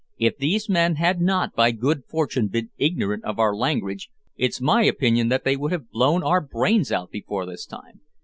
If these men had not, by good fortune, been ignorant of our language, it's my opinion that they would have blown our brains out before this time.